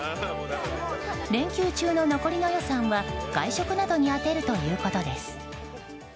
連休中の残りの予算は外食などに充てるということです。